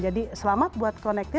jadi selamat buat konektif